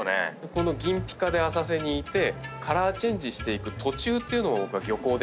この銀ピカで浅瀬にいてカラーチェンジしていく途中っていうのに僕は漁港で出合ったことが。